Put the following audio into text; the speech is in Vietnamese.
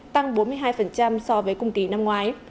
tăng bốn mươi hai so với cùng kỳ năm ngoái